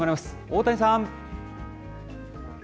大谷さん。